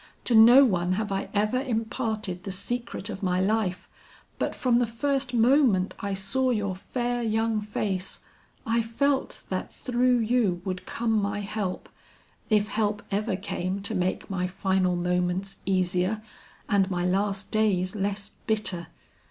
To no one have I ever imparted the secret of my life, but from the first moment I saw your fair young face, I felt that through you would come my help, if help ever came to make my final moments easier and my last days less bitter."